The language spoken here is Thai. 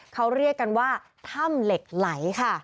เขาเรียกกันว่าถ้ำเหล็กไหลค่ะ